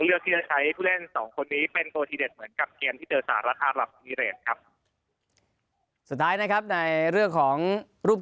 เลือกที่จะใช้ผู้เล่นสองคนนี้เป็นตัวที่เด็ดเหมือนกับเกมที่เจอสารรัฐอาหรับมีเรทครับ